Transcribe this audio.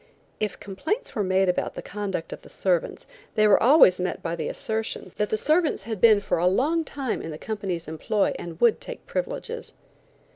If complaints were made about the conduct of the servants, they were always met by the assertion that the servants had been for a long time in the company's employ, and would take privileges.